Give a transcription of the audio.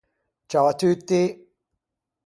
Ciao à tutti!